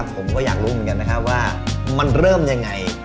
ผมก็อยากรู้เหมือนกันนะครับว่ามันเริ่มยังไง